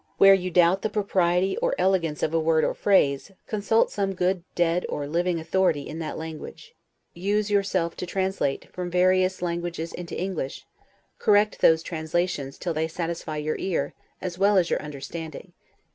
Where you doubt of the propriety or elegance of a word or a phrase, consult some good dead or living authority in that language. Use yourself to translate, from various languages into English; correct those translations till they satisfy your ear, as well as your understanding.